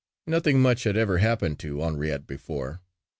Nothing much had ever happened to Henriette before.